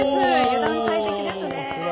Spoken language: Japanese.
「油断大敵」ですね。